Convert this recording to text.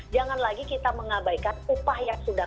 jangan lagi kita mengabaikan upah yang sudah